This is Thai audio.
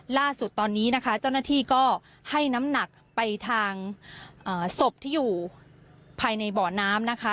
ล่าสุดตอนนี้นะคะเจ้าหน้าที่ก็ให้น้ำหนักไปทางศพที่อยู่ภายในบ่อน้ำนะคะ